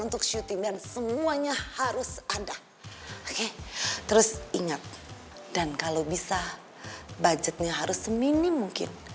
untuk syuting dan semuanya harus ada oke terus ingat dan kalau bisa budgetnya harus seminim mungkin